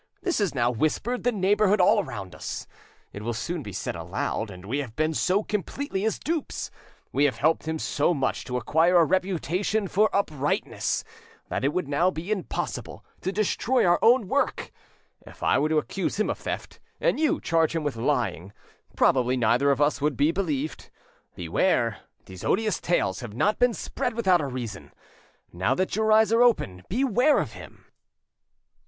This is now whispered the neighbourhood all round us, it will soon be said aloud, and we have been so completely his dupes, we have helped him so much to acquire a reputation for uprightness, that it would now be impossible to destroy our own work; if I were to accuse him of theft, and you charged him with lying, probably neither of us would be believed. Beware, these odious tales have not been spread without a reason. Now that your eyes are open, beware of him."